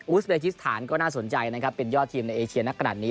อูสเบคิสธานก็น่าสนใจนะครับเป็นยอดทีมในเอเชียนนะกระดับนี้